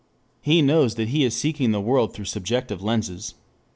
He knows that he is seeing the world through subjective lenses.